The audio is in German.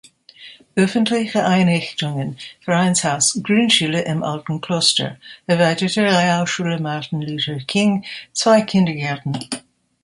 Öffentliche Einrichtungen: Vereinshaus, Grundschule "Im alten Kloster", Erweiterte Realschule "Martin Luther King", zwei Kindergärten.